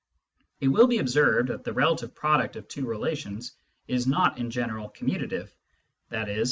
It will be observed that the relative product of two relations is not in general commutative, i.e.